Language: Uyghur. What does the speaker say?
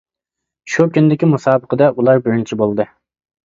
شۇ كۈندىكى مۇسابىقىدە ئۇلار بىرىنچى بولدى.